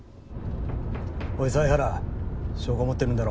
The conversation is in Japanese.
おい犀原証拠持ってるんだろ。